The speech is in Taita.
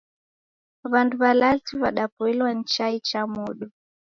W'andu w'alazi w'adapoilwa ni chai cha modo.